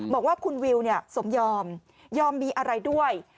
บอกว่าคุณวิวสมยอมยอมมีอะไรด้วย